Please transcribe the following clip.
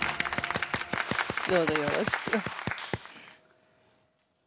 どうぞよろしく。